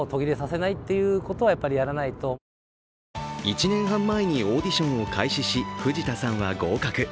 １年半前にオーディションを開始し、藤田さんは合格。